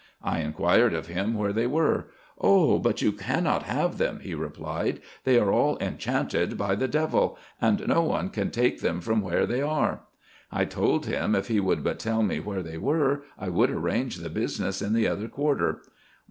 I inquired of him where they were ?" Oh ! but you cannot have them,"' he replied :" they are all enchanted by the devil ; and no one can take them from where they are !" I told him, if he would but tell me where they were, I would arrange the business in the other quarter.